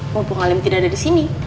mumpung halim tidak ada di sini